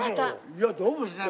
いやどうもしない